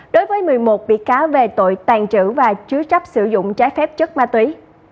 đối với một mươi một bị cáo về tội tàn trữ và chứa chấp sử dụng trái phép chất ma túy